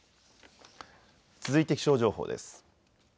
続いて気象情報です。